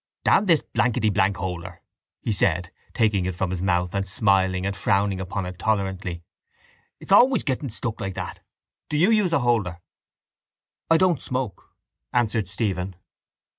—Damn this blankety blank holder, he said, taking it from his mouth and smiling and frowning upon it tolerantly. It's always getting stuck like that. Do you use a holder? —I don't smoke, answered Stephen.